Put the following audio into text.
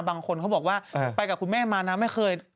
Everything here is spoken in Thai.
บางคนเขาบอกว่าไปกับคุณแม่มานะไม่เคย